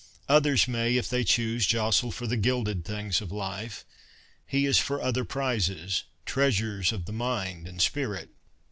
Others may, if they choose, jostle for the gilded things of life. He is for other prizes, treasures of the mind and spirit.